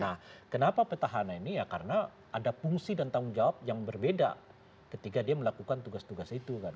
nah kenapa petahana ini ya karena ada fungsi dan tanggung jawab yang berbeda ketika dia melakukan tugas tugas itu kan